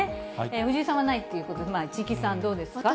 藤井さんはないということで、市來さんどうですか？